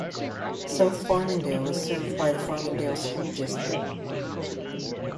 South Farmingdale is served by the Farmingdale School District.